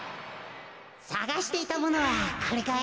さがしていたものはこれかい？